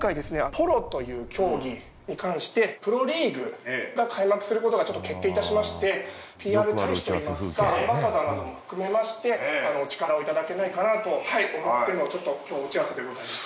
ポロという競技に関してプロリーグが開幕することがちょっと決定いたしましてＰＲ大使といいますかアンバサダーなども含めましてお力をいただけないかなと思ってのちょっと今日お打ち合わせでございます。